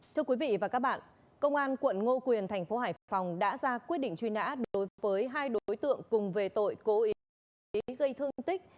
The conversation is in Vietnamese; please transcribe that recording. thưa quý vị và các bạn công an quận ngô quyền thành phố hải phòng đã ra quyết định truy nã đối với hai đối tượng cùng về tội cố ý gây thương tích